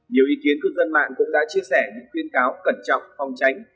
nhiều ý kiến cư dân mạng cũng đã chia sẻ những khuyên cáo cẩn trọng phòng tránh